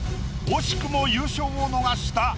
惜しくも優勝を逃した。